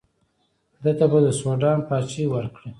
ده ته به د سوډان پاچهي ورکړي.